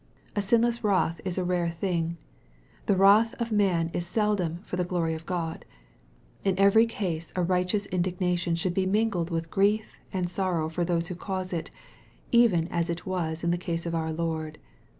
A sinless wrath is a very rare thing. The wrath of man is seldom for the glory of Grod. In every case a righteous indignation should be mingled with grief and sorrow for those who cause it, even as it was in the case of our Lord.